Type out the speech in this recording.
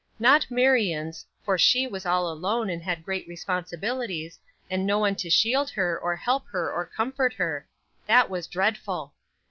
Not Marion's, for she was all alone, and had great responsibilities, and no one to shield her or help her or comfort her; that was dreadful.